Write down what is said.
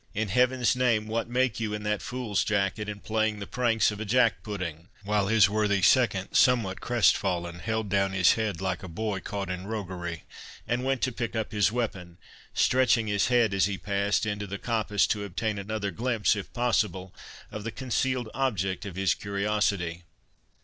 In Heaven's name, what make you in that fool's jacket, and playing the pranks of a jack pudding?" while his worthy second, somewhat crest fallen, held down his head, like a boy caught in roguery, and went to pick up his weapon, stretching his head, as he passed, into the coppice, to obtain another glimpse, if possible, of the concealed object of his curiosity.